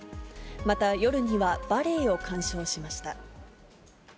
また、夜にはバレエを鑑賞しました。